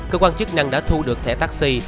cơ quan chức năng đã thu được thẻ taxi